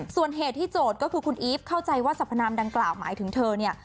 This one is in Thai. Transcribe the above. ส่วนเหตุที่โจทย์ก็คือคุณอีฟเข้าใจว่าสรรพนามดังกล่าวหมายถึงเธอเนี่ย